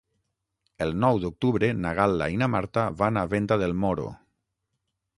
El nou d'octubre na Gal·la i na Marta van a Venta del Moro.